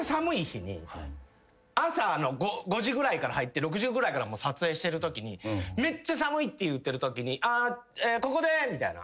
朝の５時ぐらいから入って６時ぐらいから撮影してるときにめっちゃ寒いって言うてるときに「ここで」みたいな。